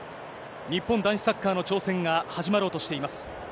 日本男子サッカーの挑戦が始まろうとしています。